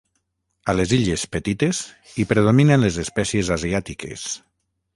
A les Illes Petites hi predominen les espècies asiàtiques.